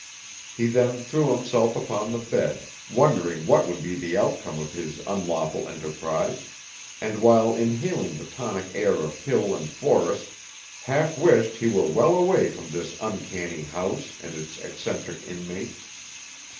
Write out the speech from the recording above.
He then threw himself upon the bed, wondering what would be the outcome of his unlawful enterprise, and while inhaling the tonic air of hill and forest, half wished he were well away from this uncanny house and its eccentric inmates.